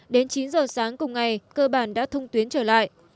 đến chín giờ sáng cùng ngày cơ bản đã thông tuyến trở lại